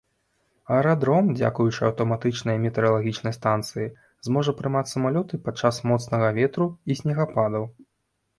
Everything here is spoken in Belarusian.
Аэрадром, дзякуючы аўтаматычнай метэаралагічнай станцыі, зможа прымаць самалёты падчас моцнага ветру і снегападаў.